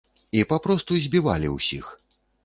І папросту збівалі ўсіх!